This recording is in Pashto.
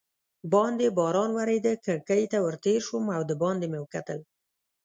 باندې باران ورېده، کړکۍ ته ور تېر شوم او دباندې مې وکتل.